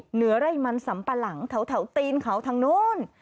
เหนือไร่มันสำปะหลังแถวตีนเขาทางนู้น